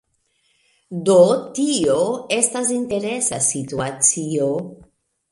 Do, tio estis interesa situacio.